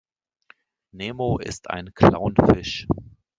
Nemo ist ein Clownfisch.